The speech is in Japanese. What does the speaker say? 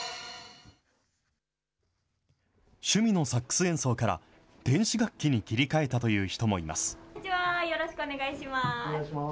趣味のサックス演奏から、電子楽器に切り替えたという人もいます。